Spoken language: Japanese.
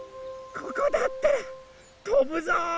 ここだったらとぶぞ！